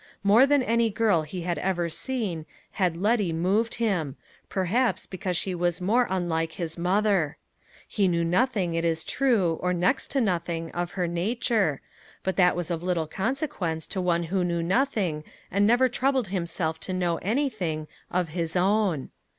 More than any girl he had ever seen, had Letty moved him perhaps because she was more unlike his mother. He knew nothing, it is true, or next to nothing, of her nature; but that was of little consequence to one who knew nothing, and never troubled himself to know anything, of his own.